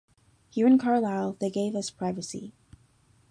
Here in Carlisle they gave us privacy.